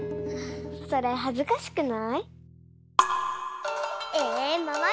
それはずかしくない？